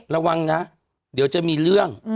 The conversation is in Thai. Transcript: ระวังนะเดี๋ยวจะมีเรื่อง